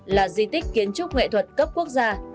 là di tích kiến trúc nghệ thuật cấp quốc gia